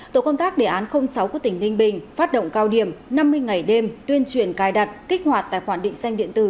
tổ công tác đề án sáu của tỉnh ninh bình phát động cao điểm năm mươi ngày đêm tuyên truyền cài đặt kích hoạt tài khoản định danh điện tử